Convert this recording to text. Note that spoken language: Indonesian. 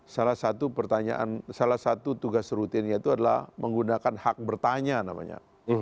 salah satu pertanyaan salah satu tugas rutinnya itu adalah menggunakan hak bertanya namanya